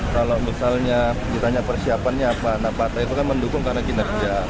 kalau misalnya ditanya persiapannya apa enam partai itu kan mendukung karena kinerja